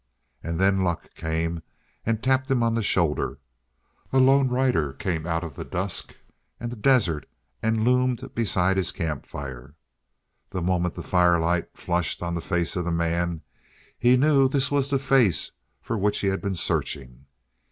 And then luck came and tapped him on the shoulder. A lone rider came out of the dusk and the desert and loomed beside his campfire. The moment the firelight flushed on the face of the man, he knew this was the face for which he had been searching.